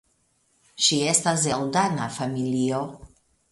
Ŝi estas el dana familio.